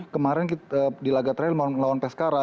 kemarin di laga terakhir melawan pescara